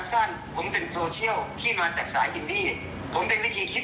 ก็คือแบ่งกันคนละสองพันห้าเพื่อที่จะให้อามมีค่าตัววันละห้าพัน